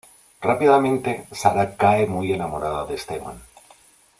Rápidamente Sara cae muy enamorada de Esteban.